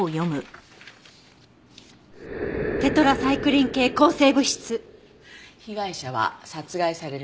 「テトラサイクリン系抗生物質」被害者は殺害される